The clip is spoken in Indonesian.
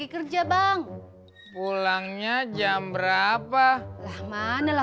kau tak punya nomor telepon dia